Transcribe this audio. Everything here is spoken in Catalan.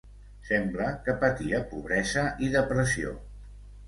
Sembla que patia pobresa i depressió.